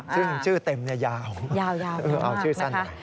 ซึ่งชื่อเต็มเนี่ยยาวชื่อสั้นหน่อยยาวนะคะ